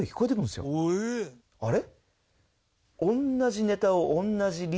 あれ？